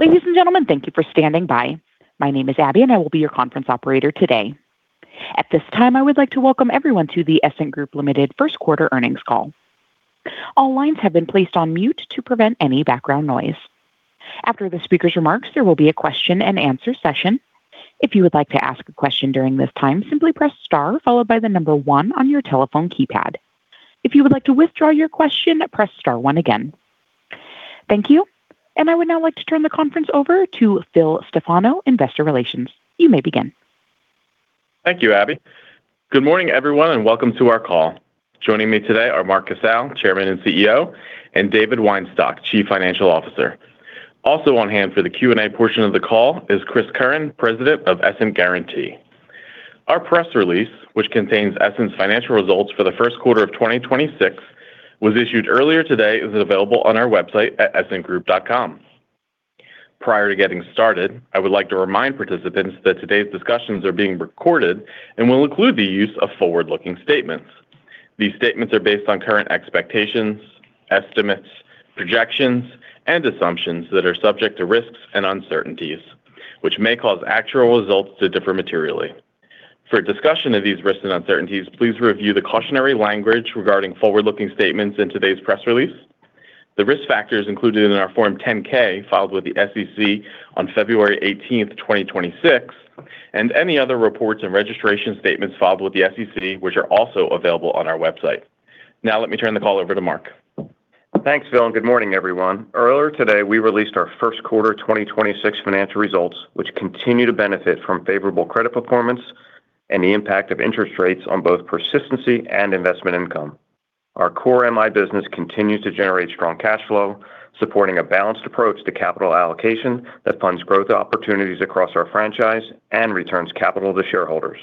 Ladies and gentlemen, thank you for standing by. My name is Abby, and I will be your conference operator today. At this time, I would like to welcome everyone to the Essent Group Ltd First Quarter Earnings Call. All lines have been placed on mute to prevent any background noise. After the speaker's remarks, there will be a question-and-answer session. If you would like to ask a question during this time, simply press star followed by the number one on your telephone keypad. If you would like to withdraw your question, press star one again. Thank you. I would now like to turn the conference over to Philip Stefano, Investor Relations. You may begin. Thank you, Abby. Good morning, everyone, and welcome to our call. Joining me today are Mark Casale, Chairman and CEO; and David Weinstock, Chief Financial Officer. Also on hand for the Q&A portion of the call is Chris Curran, President of Essent Guaranty. Our press release, which contains Essent's financial results for the first quarter of 2026, was issued earlier today. It is available on our website at essentgroup.com. Prior to getting started, I would like to remind participants that today's discussions are being recorded and will include the use of forward-looking statements. These statements are based on current expectations, estimates, projections, and assumptions that are subject to risks and uncertainties, which may cause actual results to differ materially. For a discussion of these risks and uncertainties, please review the cautionary language regarding forward-looking statements in today's press release, the risk factors included in our Form 10-K filed with the SEC on February 18th, 2026, and any other reports and registration statements filed with the SEC, which are also available on our website. Let me turn the call over to Mark. Thanks, Phil, and good morning everyone. Earlier today, we released our first quarter 2026 financial results, which continue to benefit from favorable credit performance and the impact of interest rates on both persistency and investment income. Our core MI business continues to generate strong cash flow, supporting a balanced approach to capital allocation that funds growth opportunities across our franchise and returns capital to shareholders.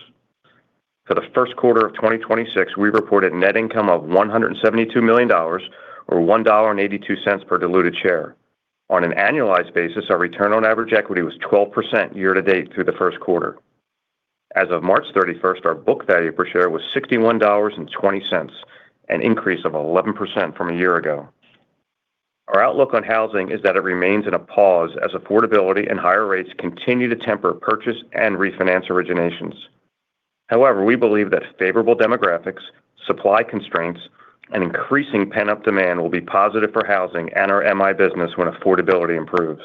For the first quarter of 2026, we reported net income of $172 million or $1.82 per diluted share. On an annualized basis, our return on average equity was 12% year-to-date through the first quarter. As of March 31st, our book value per share was $61.20, an increase of 11% from a year ago. Our outlook on housing is that it remains in a pause as affordability and higher rates continue to temper purchase and refinance originations. However, we believe that favorable demographics, supply constraints, and increasing pent-up demand will be positive for housing and our MI business when affordability improves.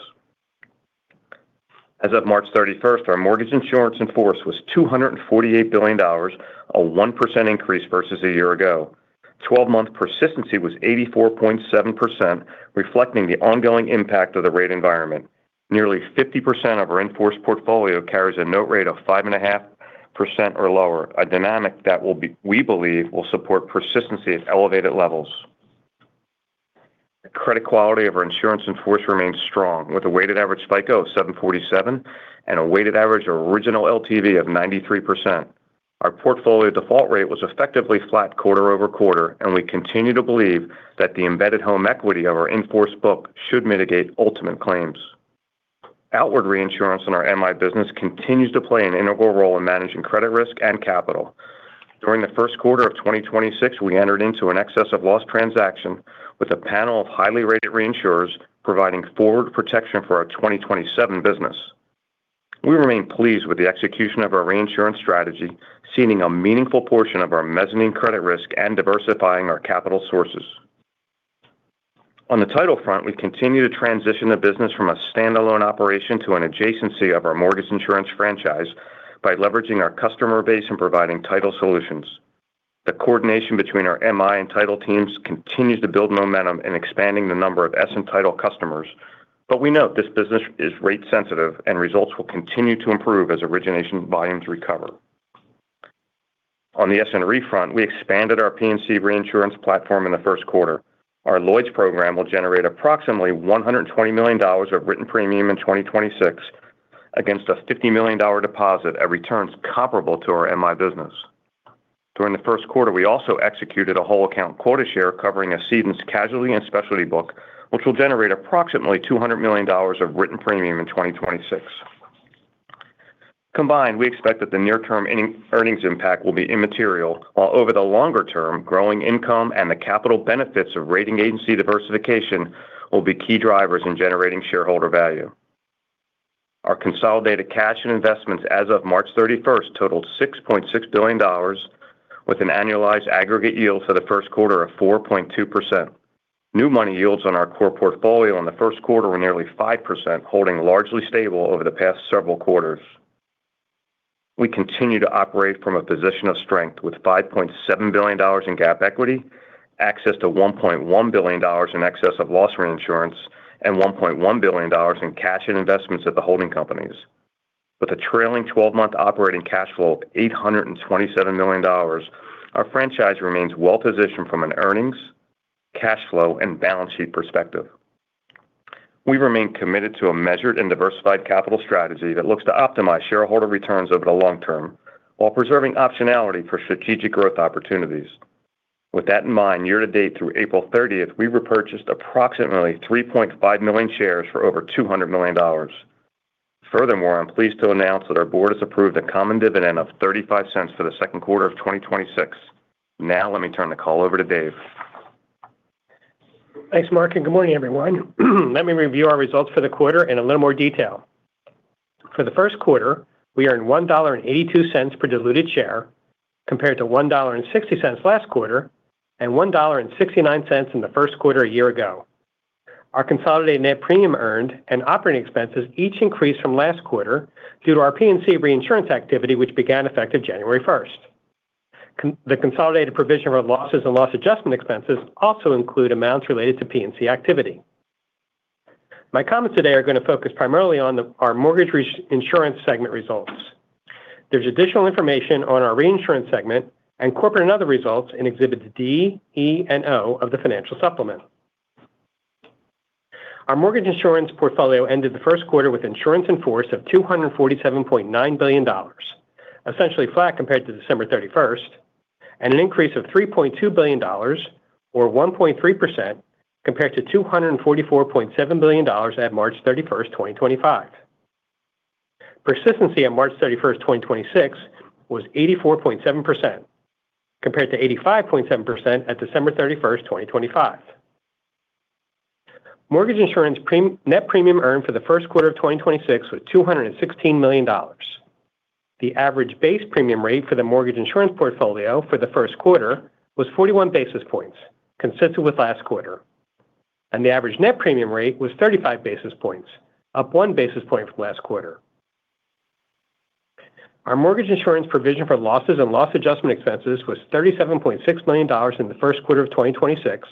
As of March 31st, our mortgage insurance in force was $248 billion, a 1% increase versus a year ago. Twelve-month persistency was 84.7%, reflecting the ongoing impact of the rate environment. Nearly 50% of our in-force portfolio carries a note rate of 5.5% or lower, a dynamic that we believe will support persistency at elevated levels. The credit quality of our insurance in force remains strong, with a weighted average FICO of 747 and a weighted average original LTV of 93%. Our portfolio default rate was effectively flat quarter-over-quarter, and we continue to believe that the embedded home equity of our in-force book should mitigate ultimate claims. Outward reinsurance in our MI business continues to play an integral role in managing credit risk and capital. During the first quarter of 2026, we entered into an excess of loss transaction with a panel of highly rated reinsurers providing forward protection for our 2027 business. We remain pleased with the execution of our reinsurance strategy, ceding a meaningful portion of our mezzanine credit risk and diversifying our capital sources. On the title front, we continue to transition the business from a standalone operation to an adjacency of our mortgage insurance franchise by leveraging our customer base and providing title solutions. The coordination between our MI and title teams continues to build momentum in expanding the number of Essent title customers. We note this business is rate sensitive and results will continue to improve as origination volumes recover. On the Essent Re front, we expanded our P&C reinsurance platform in the first quarter. Our Lloyd's program will generate approximately $120 million of written premium in 2026 against a $50 million deposit at returns comparable to our MI business. During the first quarter, we also executed a whole account quota share covering a cedent's casualty and specialty book, which will generate approximately $200 million of written premium in 2026. Combined, we expect that the near-term earnings impact will be immaterial, while over the longer term, growing income and the capital benefits of rating agency diversification will be key drivers in generating shareholder value. Our consolidated cash and investments as of March 31st totaled $6.6 billion with an annualized aggregate yield for the first quarter of 4.2%. New money yields on our core portfolio in the first quarter were nearly 5%, holding largely stable over the past several quarters. We continue to operate from a position of strength with $5.7 billion in GAAP equity, access to $1.1 billion in excess of loss reinsurance, and $1.1 billion in cash and investments at the holding companies. With a trailing 12-month operating cash flow of $827 million, our franchise remains well-positioned from an earnings, cash flow, and balance sheet perspective. We remain committed to a measured and diversified capital strategy that looks to optimize shareholder returns over the long term while preserving optionality for strategic growth opportunities. With that in mind, year to date through April 30th, we repurchased approximately 3.5 million shares for over $200 million. Furthermore, I'm pleased to announce that our board has approved a common dividend of $0.35 for the second quarter of 2026. Now let me turn the call over to David. Thanks, Mark. Good morning, everyone. Let me review our results for the quarter in a little more detail. For the 1st quarter, we earned $1.82 per diluted share compared to $1.60 last quarter and $1.69 in the 1st quarter a year ago. Our consolidated net premium earned and operating expenses each increased from last quarter due to our P&C reinsurance activity, which began effective January 1st. The consolidated provision for losses and loss adjustment expenses also include amounts related to P&C activity. My comments today are gonna focus primarily on our mortgage insurance segment results. There's additional information on our reinsurance segment and corporate and other results in exhibits D, E, and O of the financial supplement. Our mortgage insurance portfolio ended the first quarter with insurance in force of $247.9 billion, essentially flat compared to December 31st, and an increase of $3.2 billion or 1.3% compared to $244.7 billion at March 31st, 2025. Persistency on March 31st, 2026 was 84.7% compared to 85.7% at December 31st, 2025. Mortgage insurance net premium earned for the first quarter of 2026 was $216 million. The average base premium rate for the mortgage insurance portfolio for the first quarter was 41 basis points, consistent with last quarter, and the average net premium rate was 35 basis points, up 1 basis point from last quarter. Our mortgage insurance provision for losses and loss adjustment expenses was $37.6 million in the first quarter of 2026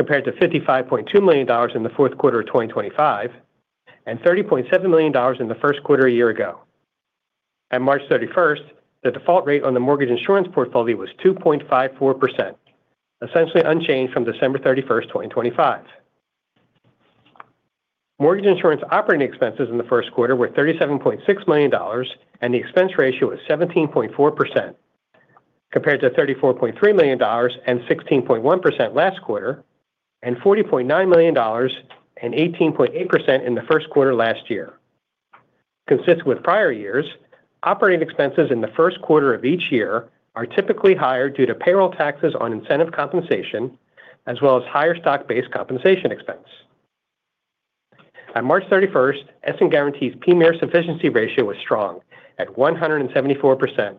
compared to $55.2 million in the fourth quarter of 2025 and $30.7 million in the first quarter a year ago. At March 31st, the default rate on the mortgage insurance portfolio was 2.54%, essentially unchanged from December 31st, 2025. Mortgage insurance operating expenses in the first quarter were $37.6 million, and the expense ratio was 17.4% compared to $34.3 million and 16.1% last quarter and $40.9 million and 18.8% in the first quarter last year. Consistent with prior years, operating expenses in the first quarter of each year are typically higher due to payroll taxes on incentive compensation as well as higher stock-based compensation expense. At March 31st, Essent Guaranty's PMIERs sufficiency ratio was strong at 174%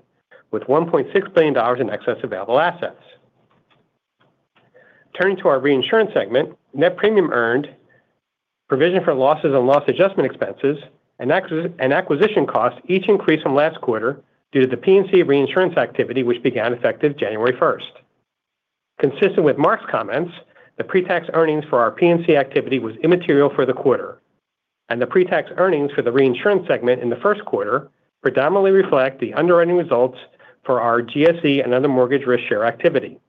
with $1.6 billion in excess available assets. Turning to our reinsurance segment, net premium earned, provision for losses and loss adjustment expenses, and acquisition costs each increased from last quarter due to the P&C reinsurance activity, which began effective January 1st. Consistent with Mark's comments, the pre-tax earnings for our P&C activity was immaterial for the quarter, and the pre-tax earnings for the reinsurance segment in the first quarter predominantly reflect the underwriting results for our GSE and other mortgage risk share activity.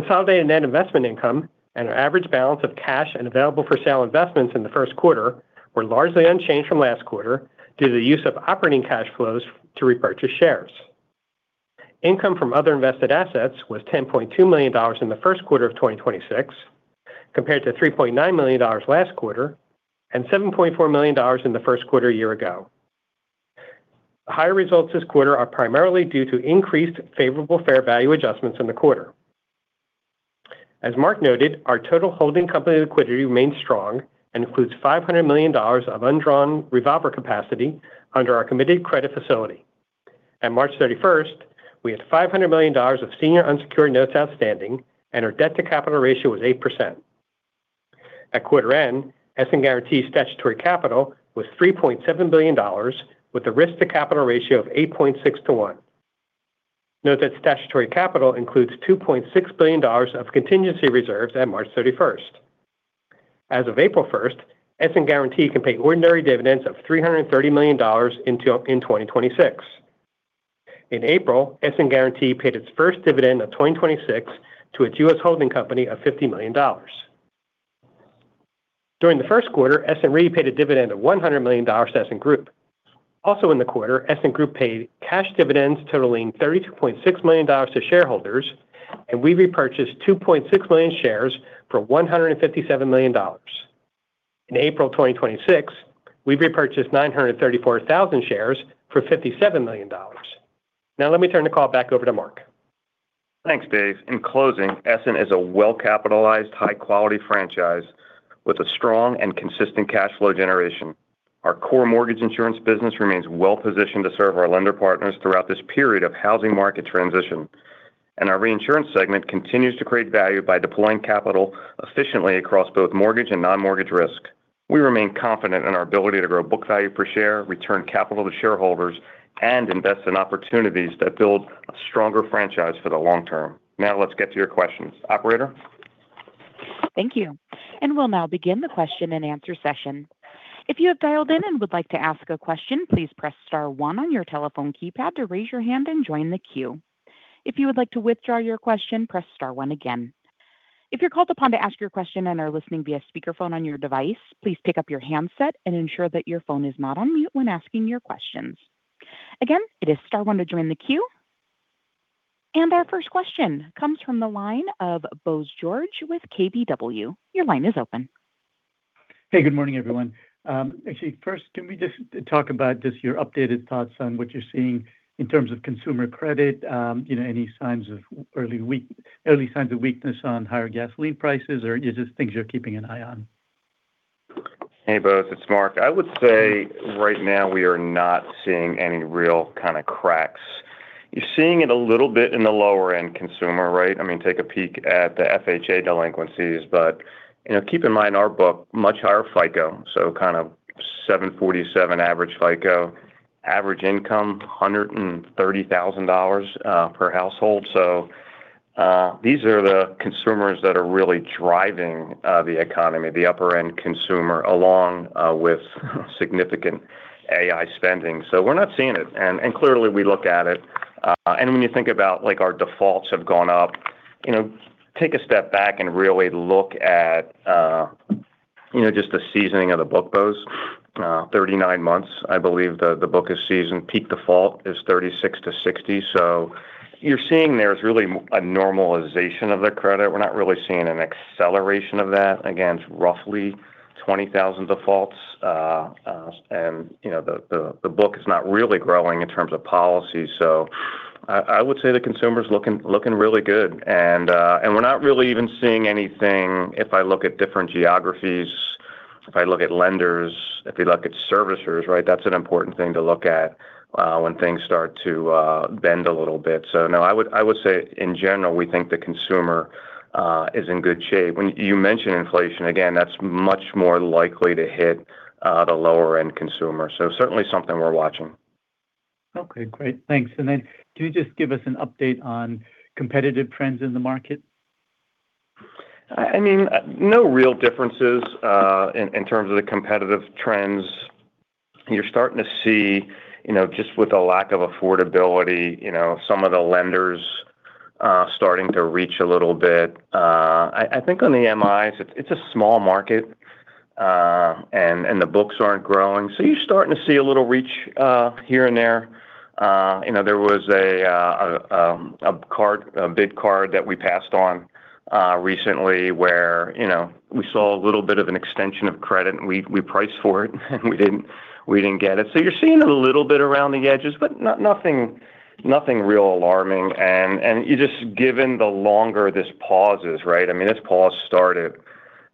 Consolidated net investment income and our average balance of cash and available-for-sale investments in the first quarter were largely unchanged from last quarter due to the use of operating cash flows to repurchase shares. Income from other invested assets was $10.2 million in the first quarter of 2026 compared to $3.9 million last quarter and $7.4 million in the first quarter a year ago. Higher results this quarter are primarily due to increased favorable fair value adjustments in the quarter. As Mark noted, our total holding company liquidity remains strong and includes $500 million of undrawn revolver capacity under our committed credit facility. At March 31st, we had $500 million of senior unsecured notes outstanding, and our debt-to-capital ratio was 8%. At quarter end, Essent Guaranty's statutory capital was $3.7 billion with a risk-to-capital ratio of 8.6-1. Note that statutory capital includes $2.6 billion of contingency reserves at March 31st. As of April 1st, Essent Guaranty can pay ordinary dividends of $330 million until in 2026. In April, Essent Guaranty paid its first dividend of 2026 to its U.S. holding company of $50 million. During the first quarter, Essent Re paid a dividend of $100 million to Essent Group. Also in the quarter, Essent Group paid cash dividends totaling $32.6 million to shareholders, and we repurchased 2.6 million shares for $157 million. In April 2026, we repurchased 934,000 shares for $57 million. Now let me turn the call back over to Mark. Thanks, Dave. In closing, Essent is a well-capitalized high-quality franchise with a strong and consistent cash flow generation. Our core mortgage insurance business remains well-positioned to serve our lender partners throughout this period of housing market transition, and our reinsurance segment continues to create value by deploying capital efficiently across both mortgage and non-mortgage risk. We remain confident in our ability to grow book value per share, return capital to shareholders, and invest in opportunities that build a stronger franchise for the long term. Now let's get to your questions. Operator? Thank you. We'll now begin the question-and-answer session. If you have dialed in and would like to ask a question, please press star one on your telephone keypad to raise your hand and join the queue. If you would like to withdraw your question, press star one again. If you're called upon to ask your question and are listening via speakerphone on your device, please pick up your handset and ensure that your phone is not on mute when asking your questions. Again, it is star one to join the queue. Our first question comes from the line of Bose George with KBW. Your line is open. Hey, good morning, everyone. Actually, first, can we just talk about just your updated thoughts on what you're seeing in terms of consumer credit? You know, any signs of early signs of weakness on higher gasoline prices? Or is this things you're keeping an eye on? Hey, Bose, it's Mark. I would say right now we are not seeing any real kind of cracks. You're seeing it a little bit in the lower-end consumer, right? I mean, take a peek at the FHA delinquencies. You know, keep in mind our book, much higher FICO, so kind of 747 average FICO. Average income, $130,000 per household. These are the consumers that are really driving the economy, the upper-end consumer, along with significant AI spending. We're not seeing it. Clearly we look at it. When you think about, like, our defaults have gone up, you know, take a step back and really look at, you know, just the seasoning of the book, Bose. 39 months, I believe the book is seasoned. Peak default is 36-60. You're seeing there's really a normalization of the credit. We're not really seeing an acceleration of that. Again, it's roughly 20,000 defaults. You know, the book is not really growing in terms of policy. I would say the consumer's looking really good. We're not really even seeing anything if I look at different geographies, if I look at lenders, if you look at servicers, right? That's an important thing to look at when things start to bend a little bit. No, I would say in general, we think the consumer is in good shape. When you mention inflation, again, that's much more likely to hit the lower-end consumer. Certainly something we're watching. Okay, great. Thanks. Can you just give us an update on competitive trends in the market? I mean, no real differences in terms of the competitive trends. You're starting to see, you know, just with the lack of affordability, you know, some of the lenders starting to reach a little bit. I think on the MIs, it's a small market, and the books aren't growing. You're starting to see a little reach here and there. You know, there was a bid card that we passed on recently where, you know, we saw a little bit of an extension of credit, and we priced for it, and we didn't get it. You're seeing it a little bit around the edges, but nothing real alarming. You just given the longer this pauses, right? I mean, this pause started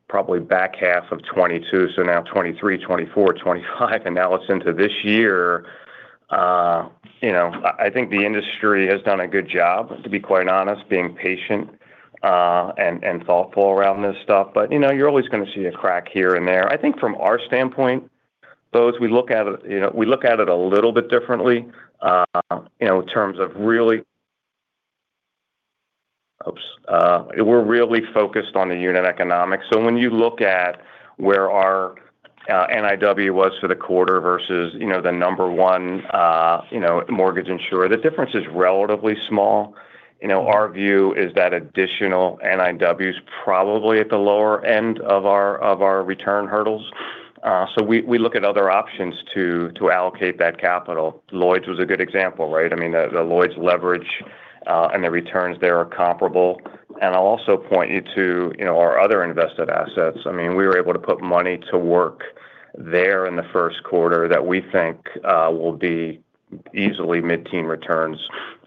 probably back half of 2022, now 2023, 2024, 2025, and now it's into this year. You know, I think the industry has done a good job, to be quite honest, being patient, and thoughtful around this stuff. You know, you're always gonna see a crack here and there. I think from our standpoint, Bose, we look at it, you know, we look at it a little bit differently, you know, in terms of really Oops. We're really focused on the unit economics. When you look at where our NIW was for the quarter versus, you know, the number 1, you know, mortgage insurer, the difference is relatively small. You know, our view is that additional NIW's probably at the lower end of our, of our return hurdles. We look at other options to allocate that capital. Lloyd's was a good example, right? I mean, the Lloyd's leverage and the returns there are comparable. I'll also point you to, you know, our other invested assets. I mean, we were able to put money to work there in the first quarter that we think will be easily mid-teen returns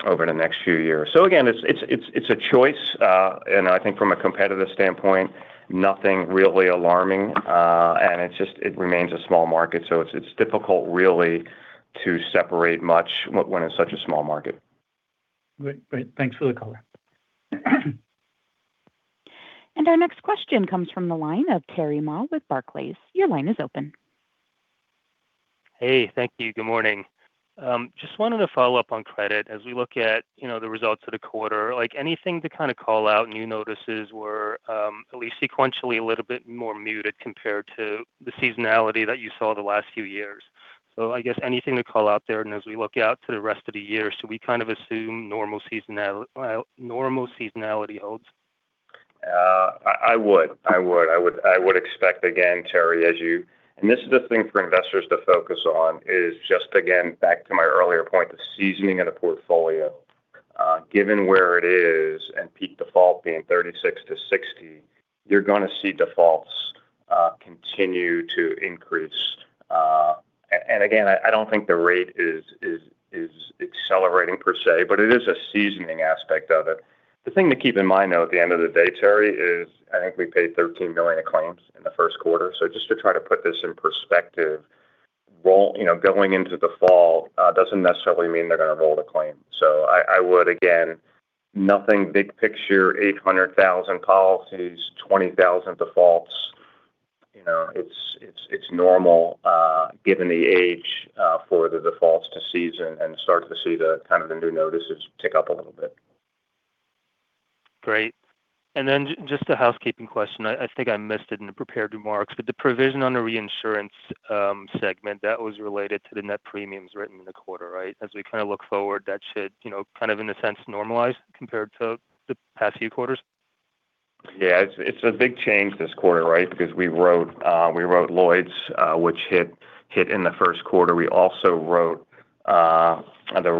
over the next few years. Again, it's a choice. I think from a competitive standpoint, nothing really alarming. It just, it remains a small market, so it's difficult really to separate much when it's such a small market. Great. Great. Thanks for the color. Our next question comes from the line of Terry Ma with Barclays. Your line is open. Hey, thank you. Good morning. Just wanted to follow up on credit. As we look at, you know, the results of the quarter, like anything to kind of call out new notices were, at least sequentially a little bit more muted compared to the seasonality that you saw the last few years. I guess anything to call out there? As we look out to the rest of the year, we kind of assume normal seasonality holds? I would expect, again, Terry, as you. This is the thing for investors to focus on, is just again, back to my earlier point of seasoning in a portfolio. Given where it is and peak default being 36-60, you're gonna see defaults continue to increase. Again, I don't think the rate is accelerating per se, but it is a seasoning aspect of it. The thing to keep in mind, though, at the end of the day, Terry, is I think we paid $13 million in claims in the first quarter. Just to try to put this in perspective, roll, you know, going into default, doesn't necessarily mean they're gonna roll the claim. I would, again, nothing big picture, 800,000 policies, 20,000 defaults. You know, it's normal, given the age, for the defaults to season and start to see the kind of the new notices tick up a little bit. Great. Just a housekeeping question. I think I missed it in the prepared remarks, but the provision on the reinsurance segment that was related to the net premiums written in the quarter, right? As we kind of look forward, that should, you know, kind of in a sense normalize compared to the past few quarters? Yeah, it's a big change this quarter, right? Because we wrote, we wrote Lloyd's, which hit in the first quarter. We also wrote the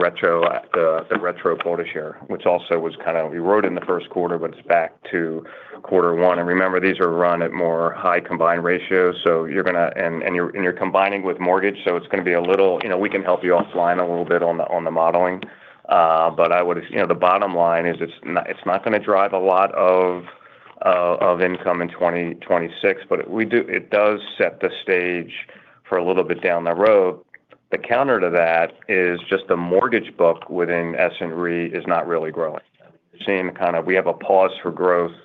retro quota share, which also was kind of We wrote in the first quarter, but it's back to quarter one. Remember, these are run at more high combined ratios, so you're gonna and you're combining with mortgage, so it's gonna be a little, you know, we can help you offline a little bit on the modeling. But I would You know, the bottom line is it's not, it's not gonna drive a lot of income in 2026, but we do it does set the stage for a little bit down the road. The counter to that is just the mortgage book within Essent Re is not really growing. We have a pause for growth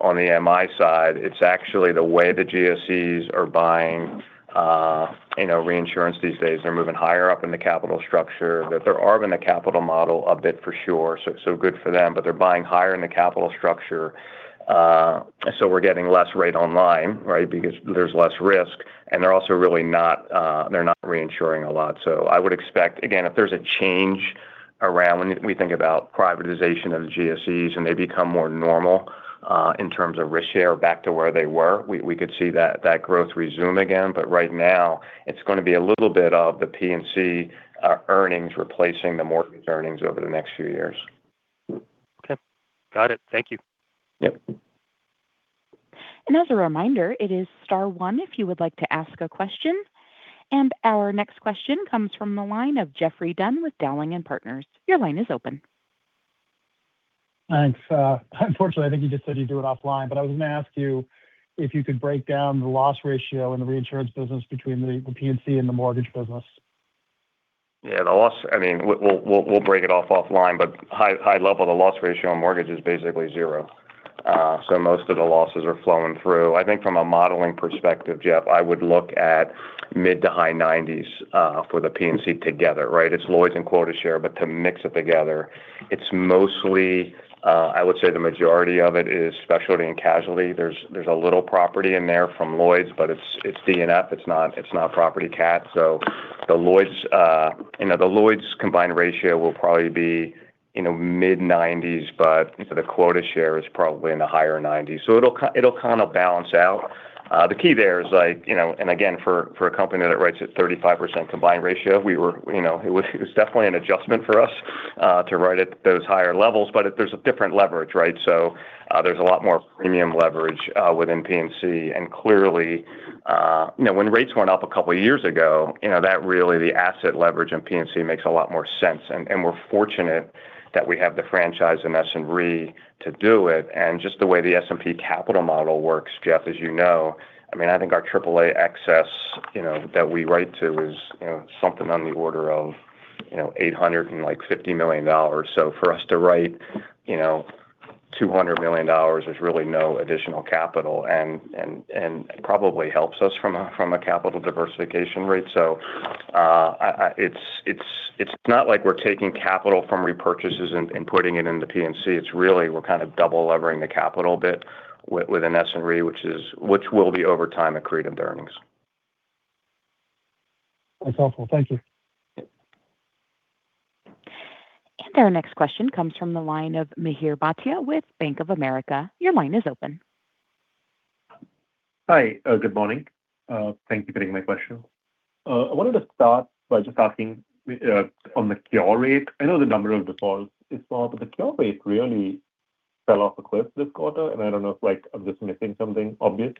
on the MI side. It's actually the way the GSEs are buying, you know, reinsurance these days. They're moving higher up in the capital structure. They're arming the capital model a bit for sure, so good for them. They're buying higher in the capital structure, so we're getting less rate online, right? Because there's less risk, and they're also really not, they're not reinsuring a lot. I would expect, again, if there's a change around when we think about privatization of the GSEs and they become more normal, in terms of risk share back to where they were, we could see that growth resume again. Right now it's going to be a little bit of the P&C earnings replacing the mortgage earnings over the next few years. Okay. Got it. Thank you. Yep. As a reminder, it is star one if you would like to ask a question. Our next question comes from the line of Geoffrey Dunn with Dowling & Partners. Your line is open. Thanks. Unfortunately, I think you just said you'd do it offline, but I was going to ask you if you could break down the loss ratio in the reinsurance business between the P&C and the mortgage business. Yeah, the loss I mean, we'll break it off offline, but high level, the loss ratio on mortgage is basically 0. Most of the losses are flowing through. I think from a modeling perspective, Geoff, I would look at mid to high nineties for the P&C together, right? It's Lloyd's and quota share, to mix it together, it's mostly, I would say the majority of it is specialty and casualty. There's a little property in there from Lloyd's, but it's D&F. It's not property cat. The Lloyd's, you know, the Lloyd's combined ratio will probably be, you know, mid-nineties, but the quota share is probably in the higher nineties. It'll kind of balance out. The key there is like, you know, and again for a company that writes at 35% combined ratio, we were, you know, it was, it was definitely an adjustment for us to write at those higher levels. There's a different leverage, right? There's a lot more premium leverage within P&C and clearly, you know, when rates went up a couple of years ago, you know, that really the asset leverage in P&C makes a lot more sense. We're fortunate that we have the franchise in Essent Re to do it. Just the way the Essent Re capital model works, Geoffrey, as you know, I mean, I think our AAA excess, you know, that we write to is, you know, something on the order of, you know, $850 million. For us to write, you know, $200 million is really no additional capital and probably helps us from a, from a capital diversification rate. It's not like we're taking capital from repurchases and putting it into P&C. It's really we're kind of double levering the capital bit within Essent Re, which will be over time accretive to earnings. That's helpful. Thank you. Yep. Our next question comes from the line of Mihir Bhatia with Bank of America. Your line is open. Hi. Good morning. Thank you for taking my question. I wanted to start by just asking on the cure rate. I know the number of defaults is small, but the cure rate really fell off a cliff this quarter. I don't know if, like, I'm just missing something obvious.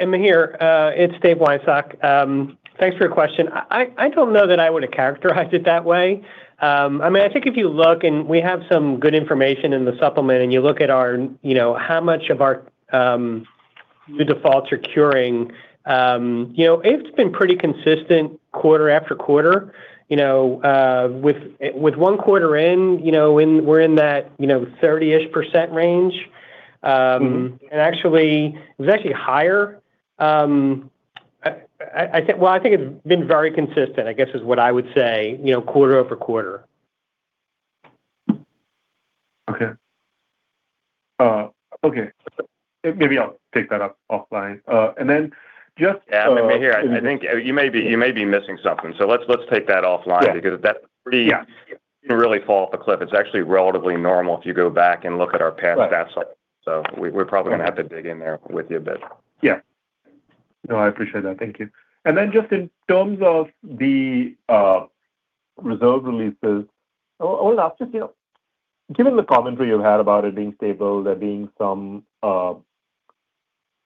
Mihir, it's David Weinstock. Thanks for your question. I don't know that I would have characterized it that way. I mean, I think if you look and we have some good information in the supplement, and you look at our, you know, how much of our, the defaults are curing, you know, it's been pretty consistent quarter after quarter. You know, with one quarter in, you know, when we're in that, you know, 30%-ish range. Actually it was actually higher. Well, I think it's been very consistent, I guess, is what I would say, you know, quarter-over-quarter. Okay. Okay. Maybe I'll take that up offline. Yeah. I mean, here I think you may be missing something. Let's take that offline. Yeah. Really fall off the cliff. It's actually relatively normal if you go back and look at our past stats. Right. We're probably going to have to dig in there with you a bit. Yeah. No, I appreciate that. Thank you. Just in terms of the reserve releases. I would ask just, you know, given the commentary you had about it being stable, there being some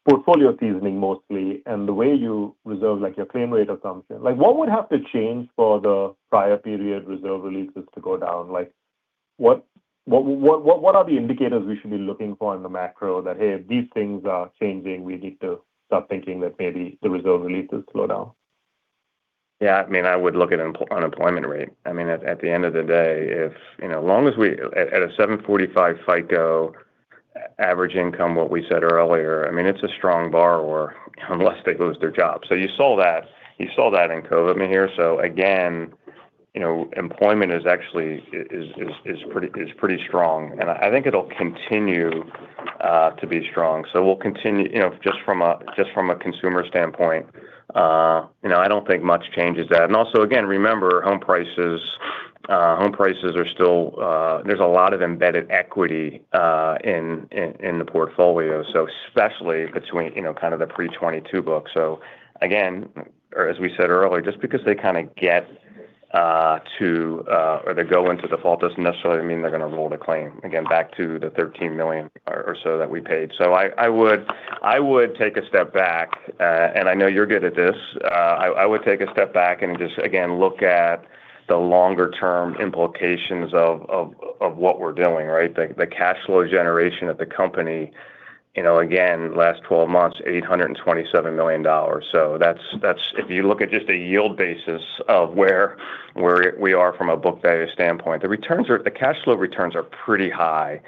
portfolio seasoning mostly, and the way you reserve like your claim rate assumption, like what would have to change for the prior period reserve releases to go down? Like, what are the indicators we should be looking for in the macro that, hey, these things are changing, we need to start thinking that maybe the reserve releases slow down? Yeah, I mean, I would look at unemployment rate. I mean, at the end of the day, if, you know, as long as we at a 745 FICO average income, what we said earlier, I mean, it's a strong borrower unless they lose their job. You saw that in COVID, Mihir. Again, you know, employment is actually is pretty strong, and I think it'll continue to be strong. We'll continue, you know, just from a consumer standpoint, you know, I don't think much changes that. Also again, remember home prices, home prices are still, there's a lot of embedded equity in the portfolio. Especially between, you know, kind of the pre 2022 book. Again, or as we said earlier, just because they kind of get or they go into default, doesn't necessarily mean they're gonna roll the claim. Again, back to the $13 million or so that we paid. I would take a step back, and I know you're good at this. I would take a step back and just again, look at the longer term implications of what we're doing, right? The cash flow generation of the company, you know, again, last 12 months, $827 million. That's if you look at just a yield basis of where we are from a book value standpoint, the cash flow returns are pretty high.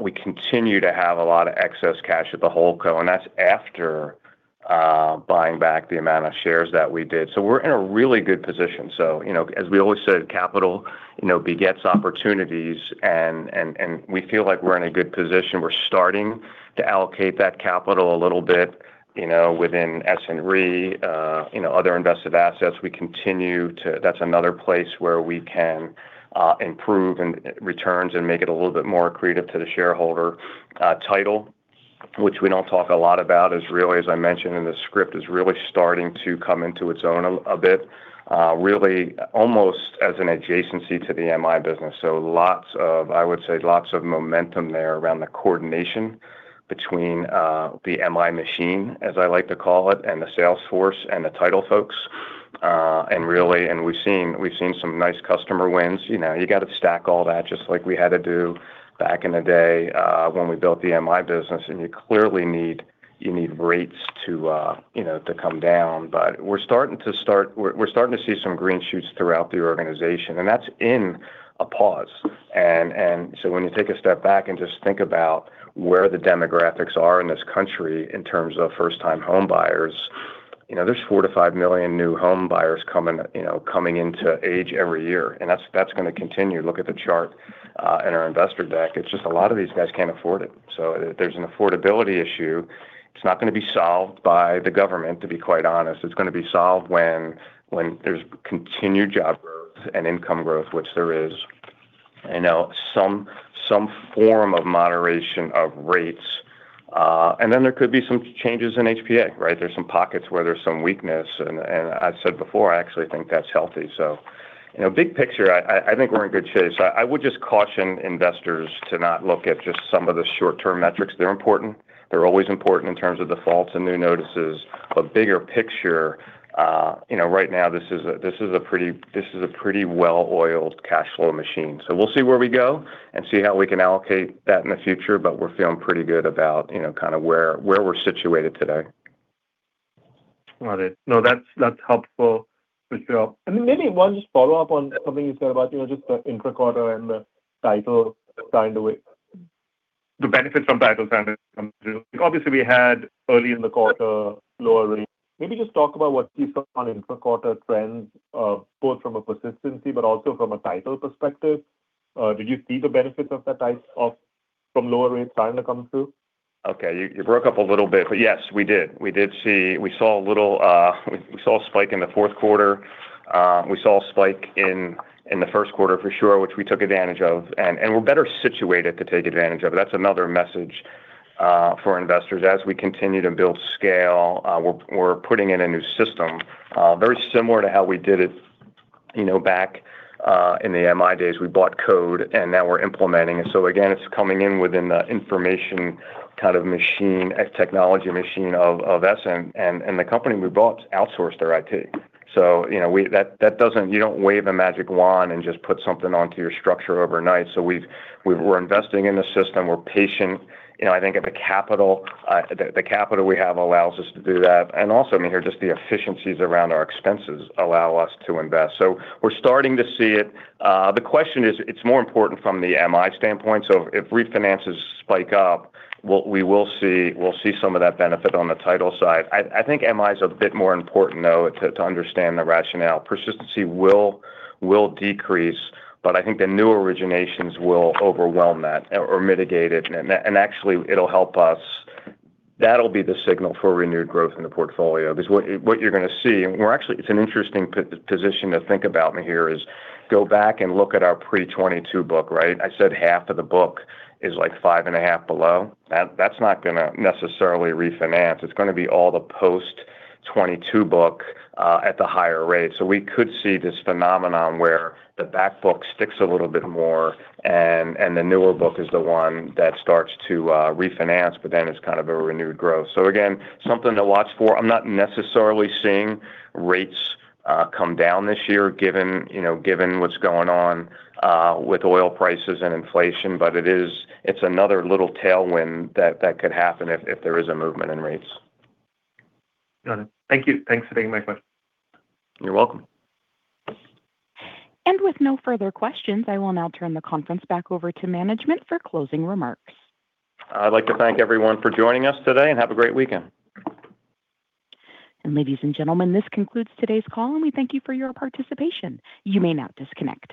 We continue to have a lot of excess cash at the holdco, and that's after buying back the amount of shares that we did. We're in a really good position. You know, as we always said, capital, you know, begets opportunities and we feel like we're in a good position. We're starting to allocate that capital a little bit, you know, within Essent Re, you know, other invested assets. That's another place where we can improve in returns and make it a little bit more accretive to the shareholder, title, which we don't talk a lot about, is really, as I mentioned in the script, is really starting to come into its own a bit. Really almost as an adjacency to the MI business. Lots of, I would say lots of momentum there around the coordination between the MI machine, as I like to call it, and the sales force and the title folks. We've seen some nice customer wins. You know, you gotta stack all that just like we had to do back in the day when we built the MI business. You need rates to, you know, to come down. We're starting to see some green shoots throughout the organization, and that's in a pause. When you take a step back and just think about where the demographics are in this country in terms of first time home buyers, you know, there's 4 million-5 million new home buyers coming, you know, coming into age every year. That's gonna continue. Look at the chart in our investor deck. It's just a lot of these guys can't afford it. There's an affordability issue. It's not gonna be solved by the government, to be quite honest. It's gonna be solved when there's continued job growth and income growth, which there is. You know, some form of moderation of rates. Then there could be some changes in HPA, right? There's some pockets where there's some weakness and I've said before, I actually think that's healthy. You know, big picture, I think we're in good shape. I would just caution investors to not look at just some of the short-term metrics. They're important. They're always important in terms of defaults and new notices. Bigger picture, you know, right now this is a pretty well-oiled cash flow machine. We'll see where we go and see how we can allocate that in the future. We're feeling pretty good about, you know, kind of where we're situated today. Got it. No, that's helpful for sure. I mean, maybe 1 just follow-up on something you said about, you know, just the in the quarter and the title starting to wake. The benefits from title starting to come through. Obviously, we had early in the quarter lower rates. Maybe just talk about what you saw on in the quarter trends, both from a persistency but also from a title perspective. Did you see the benefits of that from lower rates starting to come through? Okay. You broke up a little bit, but yes, we did. We saw a little, we saw a spike in the fourth quarter. We saw a spike in the first quarter for sure, which we took advantage of and we're better situated to take advantage of. That's another message for investors. As we continue to build scale, we're putting in a new system, very similar to how we did it, you know, back in the MI days. We bought code and now we're implementing it. Again, it's coming in within the information kind of machine, technology machine of Essent. The company we bought outsourced their IT. You know, you don't wave a magic wand and just put something onto your structure overnight. We're investing in the system. We're patient. You know, I think at the capital we have allows us to do that. I mean, here, just the efficiencies around our expenses allow us to invest. We're starting to see it. The question is, it's more important from the MI standpoint. If refinances spike up, we will see some of that benefit on the title side. I think MI is a bit more important though to understand the rationale. Persistency will decrease, I think the new originations will overwhelm that or mitigate it. Actually it'll help us. That'll be the signal for renewed growth in the portfolio because what you're gonna see, it's an interesting position to think about here, is go back and look at our pre 22 book, right? I said half of the book is like five and a half below. That's not gonna necessarily refinance. It's gonna be all the post 22 book at the higher rate. We could see this phenomenon where the back book sticks a little bit more and the newer book is the one that starts to refinance, but then it's kind of a renewed growth. Again, something to watch for. I'm not necessarily seeing rates come down this year given, you know, given what's going on with oil prices and inflation. It's another little tailwind that could happen if there is a movement in rates. Got it. Thank you. Thanks for taking my question. You're welcome. With no further questions, I will now turn the conference back over to management for closing remarks. I'd like to thank everyone for joining us today, and have a great weekend. Ladies and gentlemen, this concludes today's call, and we thank you for your participation. You may now disconnect.